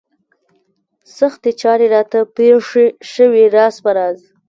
سختې چارې راته پېښې شوې راز په راز.